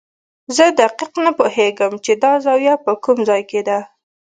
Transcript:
زه دقیق نه پوهېږم چې دا زاویه په کوم ځای کې ده.